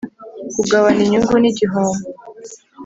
Kugabana inyungu n igihombo